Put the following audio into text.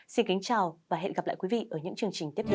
xin kính chào và hẹn gặp lại quý vị ở những chương trình tiếp theo